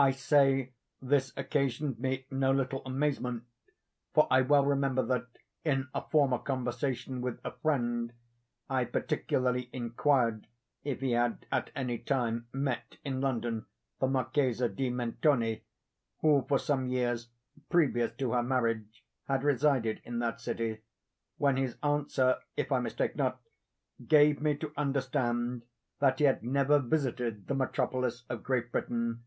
I say, this occasioned me no little amazement; for I well remember that, in a former conversation with a friend, I particularly inquired if he had at any time met in London the Marchesa di Mentoni, (who for some years previous to her marriage had resided in that city,) when his answer, if I mistake not, gave me to understand that he had never visited the metropolis of Great Britain.